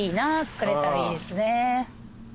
作れたらいいですね。